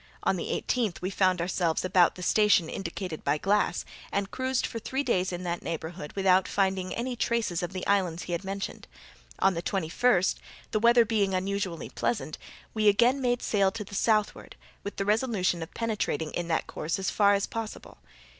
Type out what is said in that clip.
On the eighteenth we found ourselves about the station indicated by Glass, and cruised for three days in that neighborhood without finding any traces of the islands he had mentioned. On the twenty first, the weather being unusually pleasant, we again made sail to the southward, with the resolution of penetrating in that course as far as possible.